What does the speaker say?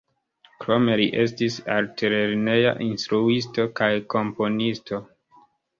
Krome li estis altlerneja instruisto kaj komponisto.